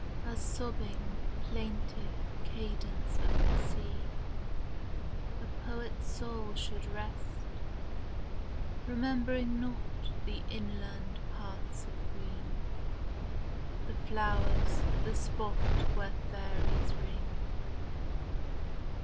As sobbing, plaintive cadence of the sea A poet's soul should rest, remembering not The inland paths of green, the flowers, the spot Where fairies ring.